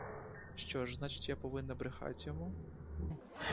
Що ж, значить, я повинна брехать йому?